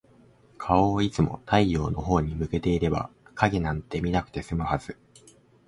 顔をいつも太陽のほうに向けていれば、影なんて見なくて済むはず。